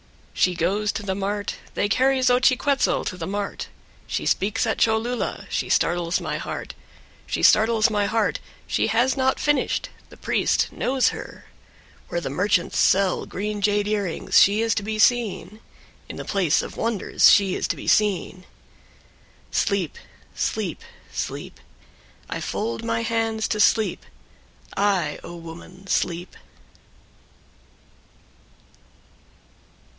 11. She goes to the mart, they carry Xochiquetzal to the mart; she speaks at Cholula; she startles my heart; she startles my heart; she has not finished, the priest knows her; where the merchants sell green jade earrings she is to be seen, in the place of wonders she is to be seen. 12. Sleep, sleep, sleep, I fold my hands to sleep, I, O woman, sleep.